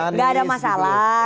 nggak ada masalah